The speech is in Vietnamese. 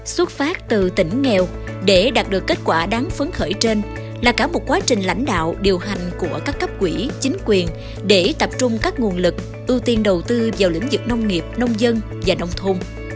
xuất phát từ tỉnh nghèo để đạt được kết quả đáng phấn khởi trên là cả một quá trình lãnh đạo điều hành của các cấp quỹ chính quyền để tập trung các nguồn lực ưu tiên đầu tư vào lĩnh vực nông nghiệp nông dân và nông thôn